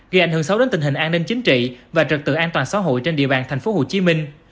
gây ảnh hưởng xấu đến tình hình an ninh chính trị và trật tự an toàn xã hội trên địa bàn thành phố hồ chí minh